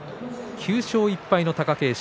９勝１敗の貴景勝。